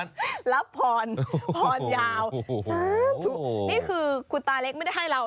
สวัสดีครับสวัสดีครับ